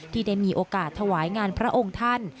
ที่ได้มีโอกาสถวายงานพระองค์ท่าน